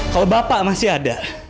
kalau bapak masih ada